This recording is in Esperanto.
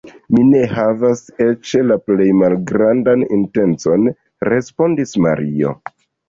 Mi ne havas eĉ la plej malgrandan intencon, respondis Mario.